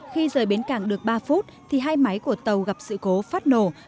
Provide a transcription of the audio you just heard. khi biến cảng được ba phút thì hai máy của tàu gặp sự cố phát nổ